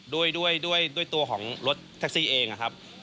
ด้วยตัวของรถใต้ตริฟ้าเองครับ